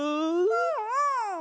うんうん。